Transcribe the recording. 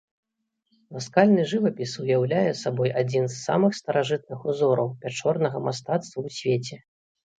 Наскальны жывапіс уяўляе сабой адзін з самых старажытных узораў пячорнага мастацтва ў свеце.